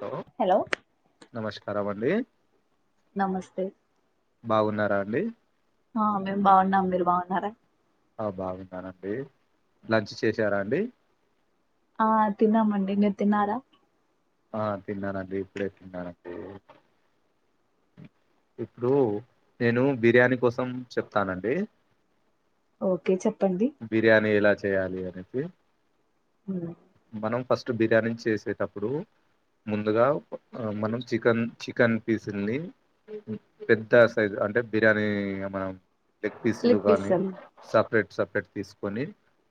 లో హలో నమస్కారమన్ లే నమస్తె బాగున్నారా అండీ ఆ మేము బాగున్నాం మీరు బాగున్నార ఆ బాగున్నానండీ లంచ్ చేశారా అండీ ఆ తిన్నామండి మీర్ తిన్నారా ఆ తిన్నానండి ఇప్పుడే తిన్నానండీ ఇప్పుడూ నేను బిర్యానీ కోసం చెప్తానండీ ఓకే చెప్పండి ఎలా చేయాలి అనేసి ఉమ్, మనం ఫస్ బిర్యానీ చేసేటప్పుడు, ముందుగా మనం చికన్ చికన్ పీసుల్ని పెద్ద సైజ్ అంటే బిర్యానీ మనం, లెగ్ పీస్ లు గానీ సపరేట్. సపరేట్ తీసుకొని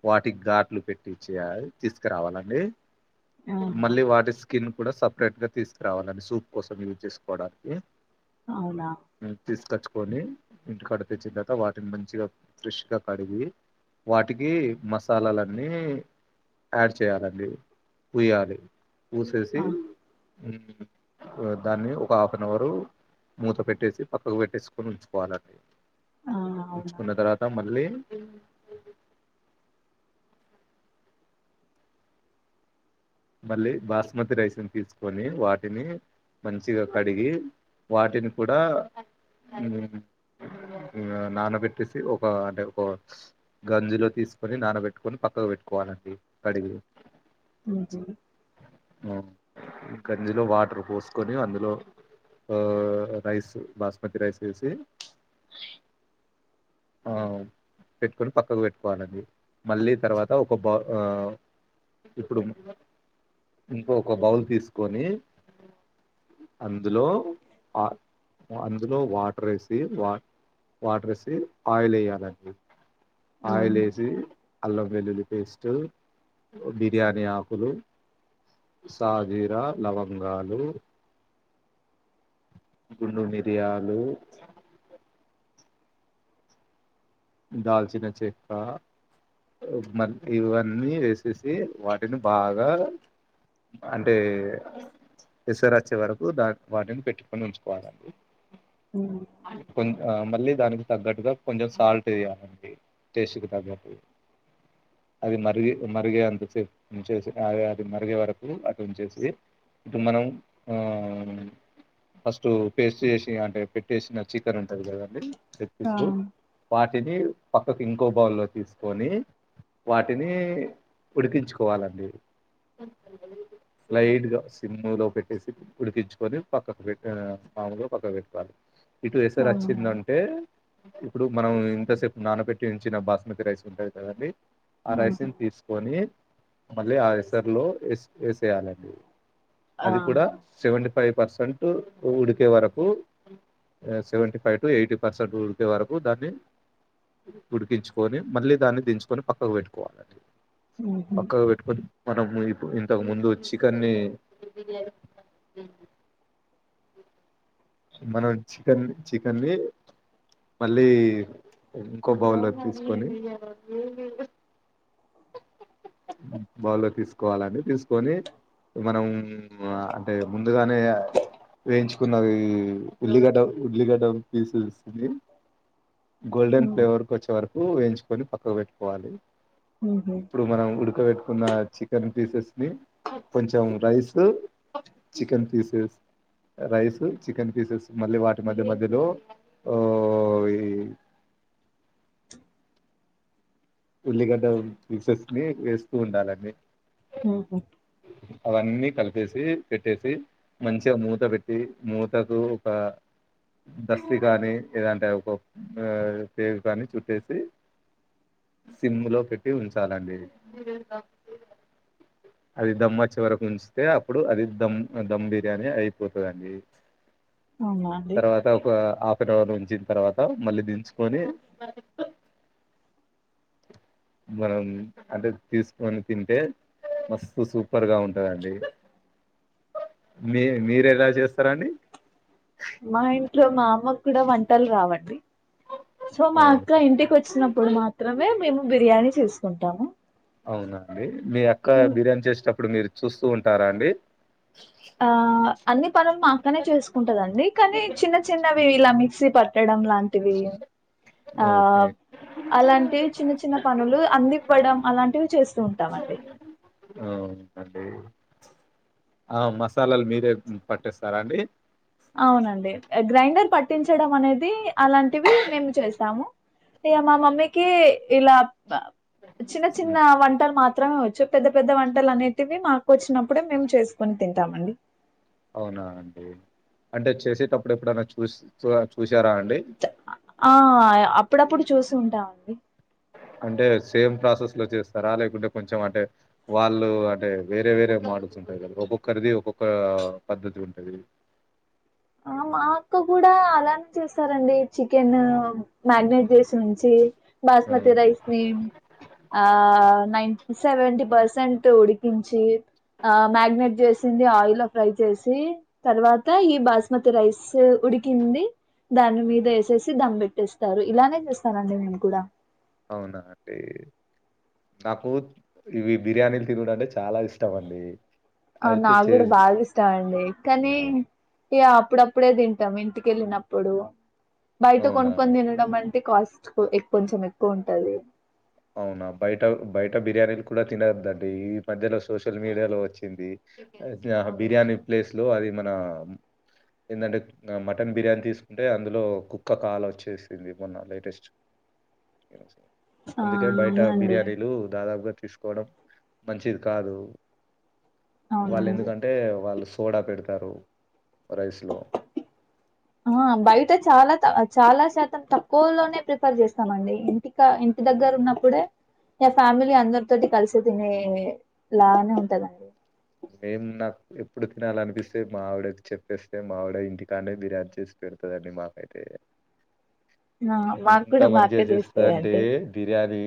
వాటికి ఘాట్లు పెట్టిచ్చేయాలి తీసుకరావాలండి. ఆహా మళ్ళీ వాటిస్ కూడా సపరేట్ గా తీసుకురావాలని సూప్ కోసం యూజ్ చేసుకోవడానికి, అవునా తీసుకచ్ కట్టుకొని ఇంటికడ తెచ్చిన తర్వాత వాటిని మంచిగా ఫ్రెష్గా కడిగి వాటికి మసాలాలన్నీ యాడ్ చేయాలండి పూయాలి. పూసేసి. ఆ దాన్ని ఒక హాఫ్ అన్ అవరు మూత పెట్టేసి పక్కకు పెట్టేసుకొని ఉంచుకోవాలండి. ఆ అవునా ఉంచుకున్న తర్వాత మళ్ళీ మళ్ళీ బాస్మతి రైస్ని తీసుకొని వాటిని మంచిగా కడిగి వాటిని కూడా నానబెట్టేసి ఒక అంటే ఒక గంజిలో తీసుకొని నానబెట్టుకొని పక్కకు పెట్టుకోవాలండి. కడిగి, ఉహు ఆ గంజిలో వాటర్ పోసుకొని అందులో ఆ రైస్ బాస్మతి రైస్ వేసి ఆ పెట్టుకొని పక్కకు పెట్టుకోవాలండి. మళ్ళీ తర్వాత ఒక బా ఇప్పుడు ఇంకో ఒక బౌల్ తీసుకొని అందులో అందులో వాటర్ వేసి వా వాటర్ వేసి ఆయిల్ ఎయ్యాలండి. ఆయిల్ ఆహా వేసి, అల్లం, వెల్లుల్లి పేస్ట్ బిర్యానీ ఆకులు. సాజిర, లవంగాలు. గుండు మిరియాలు. దాల్చిన చెక్క మీ ఇవన్నీ వేసేసి వాటిని బాగా అంటే ఎసరు వచ్చే వరకు దాని వాటిని పెట్టుకొని ఉంచుకోవాలండి. ఉ కొంచ మళ్ళీ దానికి తగ్గట్టుగా కొంచెం సాల్ట్ వేయాలండి. టేస్ట్ కి తగ్గట్టు అది మరి మరిగే అంతే ఉంచే అది అది మరిగే వరకు అటు ఉంచేసి ఇటు మనం ఆ ఫస్ట్ పేస్ట్ చేసి అంటే పెట్ చేసిన చికెన్ ఉంటంది కదండి. ఆ తెప్పిస్తూ వాటిని పక్కకి ఇంకో బౌల్లో తీసుకొని వాటిని ఉడికించుకోవాలండి. స్లైడ్గా సిమ్ లో పెట్టేసి ఉడికించుకొని పక్కకు పెటు సాముగా పక్కకు పెట్టుకోవాలి. ఇటు ఏసరూ అవునా వచ్చిందంటే, ఇప్పుడు మనం ఇంతసేపు నానబెట్టి ఉంచిన బాస్మతి రైస్ ఉంటంది కదండి. ఆ ఆహా రైసిని తీసుకొని, మళ్ళీ ఆ ఎసరులో వేసు వేసేయాలండి. ఆ అది కూడా సెవెంటీ. ఫైవ్ పర్సెంట్ ఉడికే వరకు, seventy five to eighty percent ఉడికే వరకు దాన్ని ఉడికించుకొని మళ్ళీ దాన్ని దించుకొని పక్కకు పెట్టుకోవాలండి. ఉహు పక్కగా పెట్టుకొని మనం ఇప్పు ఇంతకు ముందు చికెన్ని మనం చికెన్ చికెన్ని ని మళ్ళీ ఇంకో బౌలు లో తీసుకొని బౌలు లోకి తీసుకోవాలండి. తీసుకొని మనం అంటే ముందుగానే వేయించుకున్నది. ఉల్లిడ ఉల్లిగడ పీసస్ ఇది గోల్డెన్ ఉమ్, ఫ్లేవర్ కొచ్చవరకు వేంచుకొని పక్కకు పెట్టుకోవాలి ఉహు ఇప్పుడు మనం ఉడకబట్ న్న చికెన్ పీసెస్ ని కొంచెం rice chicken pieces rice chicken pieces మళ్ళీ వాటి మధ్య మధ్యలో ఆ ఈ ఉల్లిగడ ఫసెస్ ని వేస్తూ ఉండాలన్నీ ఆఓహ అవన్నీ కలిపేసి పెట్టేసి మంచిగా మూత పెట్టి మూతకు ఒక దస్తతి కానీ లేదంటే ఒక పేగు కానీ చుట్టేసి సిమ్ లో పెట్టి ఉంచాలండి అది దమ్ చిివరకు ఉంచితే అప్పుడు అది దధమ్ దధమ్ బిర్యానీ అయిపోతుందిండి అవునా అండి తర్వాత ఒక ఫిబ్రవరి ఉంచిన తర్వాత మళ్ళీ దించుకొని మనం అంటే తీసుకొని తింటే మస్తు సూపర్గా ఉంటుందండి మీ మీరు ఎలా చేస్తారాండి మా ఇంట్లో మా అమ్మకు కూడా వంటలు రావండి సో మా ఓకే అక్క ఇంటికి వచ్చినప్పుడు మాత్రమే మేము బిర్యానీ చేసుం కుంటాము అవునండి మీ అక్క బిర్యానీ చేసేటప్పుడు మీరు చూస్తూ ఉంటారా అండి ఆ అన్ని పనులు మా అక్కనే చసుకుంటదండి కానీ చిన్న చిన్నవి ఇలా మీ పట్టడం లా వి ఆ ఓకే అలాంటివి చిన్న చిన్న పనులు అందివ్వడం అలాంటివి చేస్తూ ఉంటామండి అవునండి ఆ మసాలాలు మీరే పట్టేస్తారా అండి అవునండి గ్రైండర్ పట్టించడం అనేది అలాంటివి మేము చేస్తాము ఇక మా మమ్మీకి ఇలా చిన్న చిన్న హ్మ్. వంటర్ మాత్ర మాత్రమే వచ్చు పెద్ద పెద్ద వంటలు అనేటివి మాకు వచ్చినప్పుడే మేము చేసుకుొని తింటామండి అవునా అండి అంటే చేసేటప్పుడు ఎప్పుడైనా చూసి చ చూ చూసారా అండి ఆ అప్పుడప్పుడు చూసి ఉంటామండి అంటే సేమ్ ప్రాసెస్ లో చేస్తారా లేకుంటే కొంచెం అంటే వాళ్ళు అంటే వేరే వేరే మోడల్స్ ఉంటాయి కదా ఒక్కొక్కరిది ఒక్కొక్క పద్ధతి ఉంటుంది ఆ మా అక్క కూడా అలానే చేస్తారండి చికెన్ మ్యారినేట్ చేసి ఉంచి ఆ బాస్మతి రాైస్ ని ఆ నైన్ సెవెంటీ పర్సెంట్ ఉడికించి ఆ మ్యాగ్నేట్ జ్యూస్ ఆయిల్ ఫ్రై చేసి తర్వాత ఈ బా బస్మతి రైస్ ఉడికింది దాని మీద వేసేసి దమ్ పెట్టేస్తారు ఇలానే చేస్తానండి నేను కూడా అవునా అండి నాకు ఇవి బిర్యానీలు తినడం అంటే చాలా ఇష్టం అండి ఆ అయితే నాకు చే కూడా బాగా ఇష్టాం అండి కానీ య్యా అప్పుడప్పుడే తింటాం ఇంటికెళ్ళినప్పుడు బయట అవునా కొనుకొని తినడం అంటే కాస్ట్ కొంచెం ఎక్కువ ఉంటది అవునా బయట బయట బిర్యానీలు కూడా తినొద్దు అండి ఈ మధ్యలో సోషల్ మీడియా లో వచ్చింది బిర్యానీ ప్లేస్లో అది మన ఏంటంటే మటన్ బిర్యానీ తీసుకుంటే అందులో కుక్క కాలు వచ్చేసింది మొన్న లేటెస్ట్ ఆ అందుకే బయట అవునండి బిర్యానీలు దాదాపుగా తీసుకోవడం మంచిది కాదు వాళ్ళు అవునండి ఎందుకంటే వాళ్ళు చోడా పెడతారు రైస్ లో ఆ బయట చాలా చాలా శాతం తక్కువలోనే ప్రిఫర్ చేస్తామండి ఇంటి ఇంకా ఇంటి దగ్గర ఉన్నప్పుడే నా ఫ్యామిలీ అందరితోటి కలిసి తినే లాగానే ఉంటదండి మేము నాకు ఎప్పుడు తినాలనిపిస్తే మా ఆవిడ చెప్పేస్తే మావిడ ఇంటికానే బిర్యానీ చేసి పెడుతుందిండి మాకైతే ఆ మాకు ఎంత కూడా మా మంచిగా అక్క చేస్తుందింటే చేస్తదండి బిర్యానీ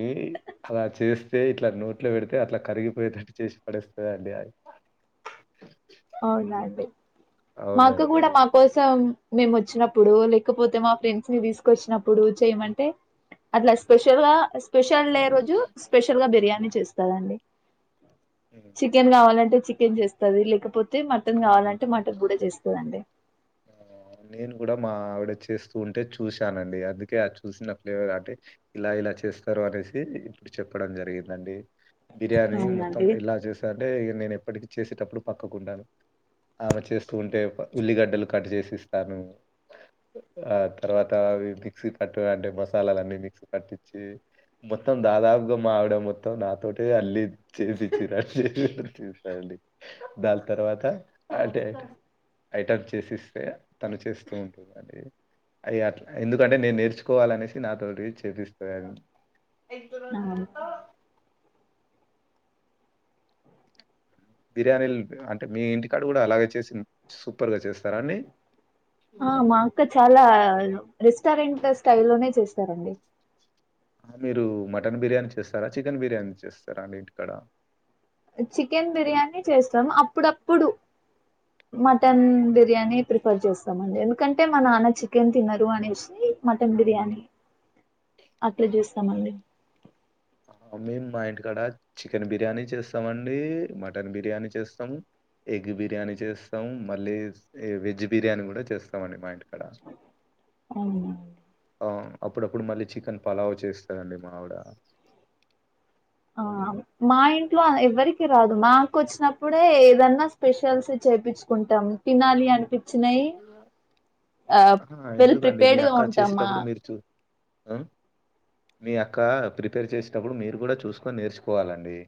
అలా చేస్త ఇట్లా నోట్లో పెడితే అట్లా కరిగిపోయేటట్టు చేసి పడేస్తది అండి అవునండి మా అక్క కూడా అవునండి. మా కోసం మేము వచ్చినప్పుడు లేకపోతే మా ఫ్రెండ్స్ ని తీసుకొచ్చినప్పుడు చేయమంటే అట్లా స్పెషల్ గా స్పెషల్ స్పెషల్ డే రోజు స్పెషల్ గా బిర్యానీ అని చేస్తారంండి హ్మ్. చికెన్ కావాలంటే చికె ఎం చేస్తది లేకపోతే అే మటన్ కావాలంటే మటన్ కూడా చేస్తుందండి ఆ నేను కూడా మా ఆవిడ చేస్తూ ఉంటే చూశానండి అందుకే ఆ చూసిన ఫ్లేవర్ అంటే ఇలా ఇలా చేస్తారు అనేసి ఇప్పుడు చెప్పడం జరిగిందండి బిర్యానీ మొత్తం అవునండి ఇలా చేశా అంటే ఇ నేను ఇప్పటి చేసేటప్పుడు పక్కకుంటాను ఆమె చేస్తూ ఉంటే ఉల్లిగడ్డలకు కట్ చేసిస్తాను ఆ తర్వాత అ మిక్సీ కట్ అంటే మసాలాలన్నీ మిక్సీ కట్టించిి మొత్తం దాదాపుగా మావిడ మొత్తం నాతో అల్ చేసిచ్చ ర చస్తాడి దాని తర్వాత అంటే ఐట చేసిస్తే తను చేస్తూ ఉంటుంది అడి అవి అట్లా ఎందుకంటే నేను నేర్చుకోవాలనేసి నాతోో చేపిస్తుంది అది ఎదురు అవును బిర్యానీలు అంటే మీ ఇంటికాడ కూడా అలాగే చేసి సూపర్గా చేస్తారండి ఆ మా అక్క చాలా రిస్ టరెంట్ స్టైల్ లోనే చేస్తారండి మీరు మటన్ బిర్యానీ చేస్తారా చికెన్ బిర్యానీ చేస్తారా అన్ని ఇంటిక్కడ చికెన్ బిర్యానీ చేస్తాము అప్పుడప్పుడు ఆ! మటన్ బిర్యానీ ప్రిఫర్ చేస్తామండి ఎందుకంటే మా నాన్న చికెన్ తినరు అనేసి మటన్ బిర్యానీ అట్లా చూస్తామండి ఆ మేము మా ఇంటికాడ చికెన్ బిర్యానీ చేస్తామండి మటన్ బిర్యానీ చేస్తాము ఎగ్ బిర్యానీ చేస్తాము మళ్ళీ వెజ్ బిర్యానీ కూడా చేస్తామండి మా ఇంటికాడ అవునా అండి అవును అప్పుడప్పుడు మళ్ళీ చికెన్ పలావ చేస్తారండి మా ఆవిడా ఆ మా ఇంట్లో ఎవరికి రాదు మాకు వచ్చినప్పుడే ఏదన్నా స్పెషల్స్ చేయించుకుంటాం తినాలి అని ఆ వెల్ ఎందుకండి మీ ప్రిపేర్డ్ గా అక్క ఉంటాం మా చేసేటప్పుడు మీరు చూ ఆ మీ అక్క ప్రిపేర్ చేసేటప్పుడు మీరు కూడా చూసుకొని నేర్చుకోవాలండి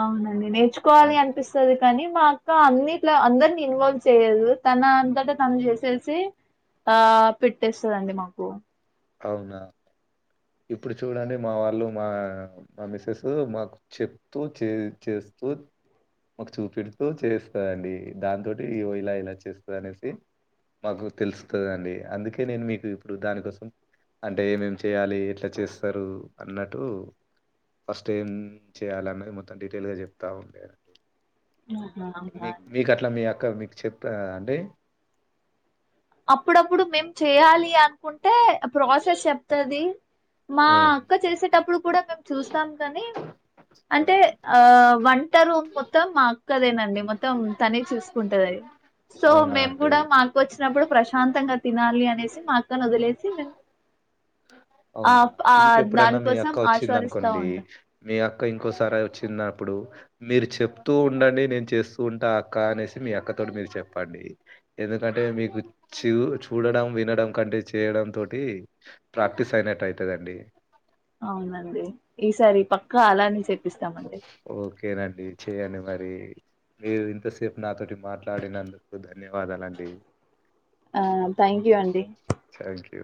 అవునండి ఆ, నేర్చుకోవాలి అనిపిస్తుది కానీ మా అక్క అన్నిట్లా అందరినీ ఇన్వాల్వ్ చేయదు తన అంతటా తను చేసేసి ఆ పెట్టేస్తుందండి మాకు అవునా ఇప్పుడు చూడండి మా వాళ్ళు మా మా మిస్సెస్ మాకు చెప్తూ చే చేస్తూ మాకు చూపిడుతూ చేస్తుందిండి దాంతోటి ఇలా ఇలా చేస్తుంది అనేసి మాకు తెలుస్తుందండి అందుకే నేను మీకు ఇప్పుడు దానికోసం అంటే ఏమేమి చేయాలి ఎట్లా చేస్తారు అన్నట్టు ఫస్ట్ ఏం చేయాల అన్నది మొత్తం డిటైల్గా చెప్తా ఉంటదండి ఆహా అవునా మీ అండి మీకు అట్లా మీ అక్క మీ చేపారా అండి అప్పుడప్పుడు మేం చెయాలి అనుకుంటే ప్రాసెస్ చెప్తది మా ఉమ్, అక్క చేసేటప్పుడు కూడా మేము చూస్తాం కానీ అంటే ఉమ్, ఆ వంట రూమ్ మొత్తం మా అక్కదేనండి మొత్తం తనే చూసుకుంటది అది సో అవునా మేము అండి. కూడా మాకు వచ్చ పెట్టినప్పుడు ప్రశాంతంగా తినాలి అనేసి మా అక్కని వదిలేసి మేము ఆ అవునా ఆ ఇంకెప్పుడైనా మీ దానికోసం అక్క వచ్చింది ఆస్వాదిస్తా అనుకోండి ఉంటాం మీ అ అక్క ఇంకోసారి వచ్చినప్పుడు మీరు చెప్తూ ఉండండి నేను చేస్తూ ఉంటా అక్క అనేసి మీ అక్కతోటి మీరు చెప్పండి ఎందుకంటే మీకు చూ చూడడం వినడం కంటే చేయడం తోటి ప్రాక్టీస్ అయినట్టు అయితదండి అవునండి ఈసారి పక్కా అలాని చేప్పిస్తామండి ఎ మీరు ఇంతసేపు నాతోటి మాట్లాడినందుకు ధన్య ధన్యవాదాలండి ఆ థ్యాంక్ యూ అండి థ్యాంక్ యూ